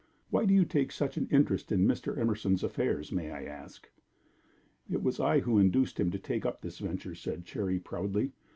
"Why do you take such an interest in Mr. Emerson's affairs, may I ask?" "It was I who induced him to take up this venture," said Cherry, proudly.